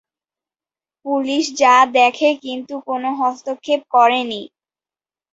Police যা দেখে কিন্তু কোন হস্তক্ষেপ করে নি।